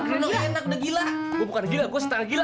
kamu yang hari tadi ya